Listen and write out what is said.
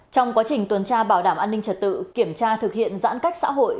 trong quá trình tuần tra bảo đảm an ninh trật tự kiểm tra thực hiện giãn cách xã hội